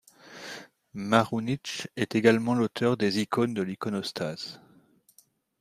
Marunić est également l'auteur des icônes de l'iconostase.